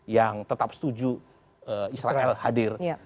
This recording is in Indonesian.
yang tetap setuju israel hadir